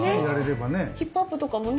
ヒップアップとかもね。